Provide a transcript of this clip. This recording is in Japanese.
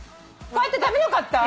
こうやって食べなかった？